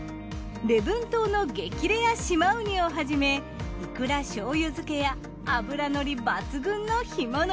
礼文島の激レア島ウニをはじめイクラ醤油漬けや脂のり抜群の干物。